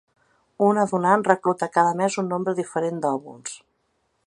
Una donant recluta cada mes un nombre diferent d’òvuls.